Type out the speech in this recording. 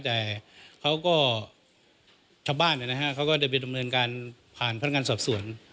แต่เขาก็ชาวบ้านเขาก็ได้ไปดำเนินการผ่านพนักงานสอบสวน